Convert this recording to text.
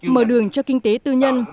mở đường cho kinh tế tư nhân